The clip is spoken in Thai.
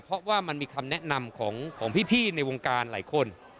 เพราะว่ามันมีคำแนะนำของพี่ในวงการหลายคน